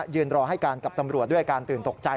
ยืนรอให้การกับตำรวจด้วยอาการตื่นตกใจ